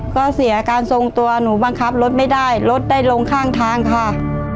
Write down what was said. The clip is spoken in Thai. ก็เสียการทรงตัวหนูบังคับรถไม่ได้รถได้ลงข้างทางค่ะ